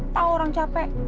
tahu orang capek